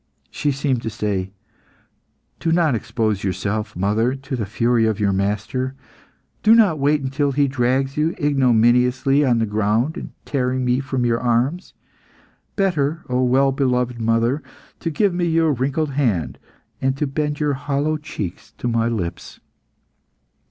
She seemed to say "Do not expose yourself, mother, to the fury of your master. Do not wait until he drags you ignominiously on the ground in tearing me from your arms. Better, O well beloved mother, to give me your wrinkled hand, and bend your hollow cheeks to my lips."